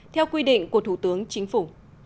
theo quy định của thủ tướng chính phủ